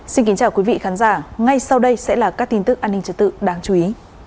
xin kính chào quý vị khán giả ngay sau đây sẽ là các tin tức an ninh trật tự đáng chú ý